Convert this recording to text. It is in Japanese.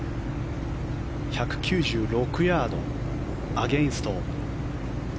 １９６ヤードアゲンスト。